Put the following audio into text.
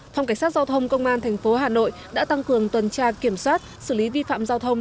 phòng cảnh sát giao thông công an tp hà nội đã tăng cường tuần tra kiểm soát xử lý vi phạm giao thông